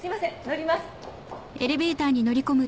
乗ります。